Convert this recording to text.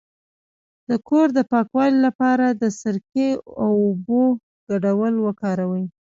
د کور د پاکوالي لپاره د سرکې او اوبو ګډول وکاروئ